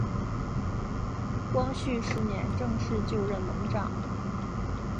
光绪十年正式就任盟长。